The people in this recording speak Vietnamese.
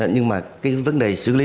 nhưng mà cái vấn đề xử lý